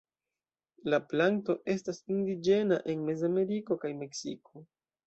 La planto estas indiĝena en Mezameriko kaj Meksiko.